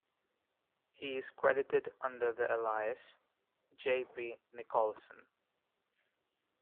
He is credited under the alias "J. P. Nicholson".